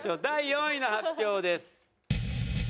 第４位の発表です。